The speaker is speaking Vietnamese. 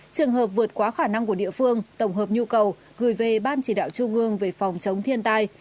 trường hợp vượt quá khả năng của địa phương tổng hợp nhu cầu gửi về ban chỉ đạo trung ương về phòng chống thiên tai